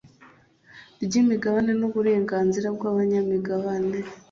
ry imigabane n uburenganzira bw abanyamigabane